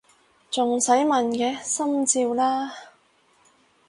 仲使問嘅！心照啦！